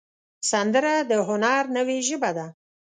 سندره د هنر نوې ژبه ده